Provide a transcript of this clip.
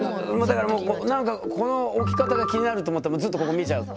だからなんかこの置き方が気になると思ったらずっとここ見ちゃう。